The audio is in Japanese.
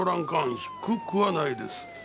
低くはないです。